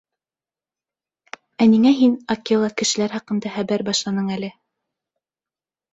— Ә ниңә һин, Акела, кешеләр хаҡында хәбәр башланың әле?